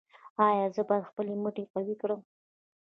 ایا زه باید خپل مټې قوي کړم؟